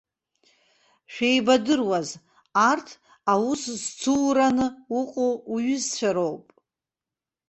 Шәеибадыруаз, арҭ аус зцуураны уҟоу уҩызцәа роуп.